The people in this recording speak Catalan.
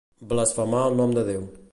Blasfemar el nom de Déu.